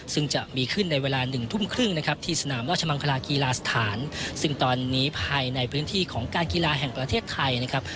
ซึ่งจะมีขึ้นในเวลาหนึ่งทุ่มครึ่งนะครับที่สนามราชมังคลากีฬาสถานซึ่งตอนนี้ภายในพื้นที่ของการกีฬาแห่งประเทศไทยนะครับ